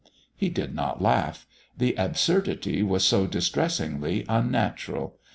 He did not laugh; the absurdity was so distressingly unnatural.